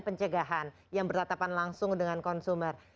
pencegahan yang bertatapan langsung dengan konsumer